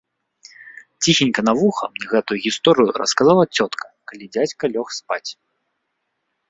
Ціхенька на вуха мне гэтую гісторыю расказала цётка, калі дзядзька лёг спаць.